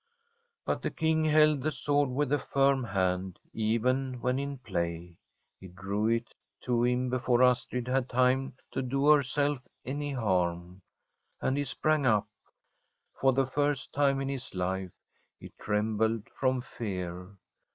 But the King held the sword with a firm hand, even when in play. He drew it to him before Astrid had time to do herself any harm. And he sprang up. For the first time in his life he trembled from fear.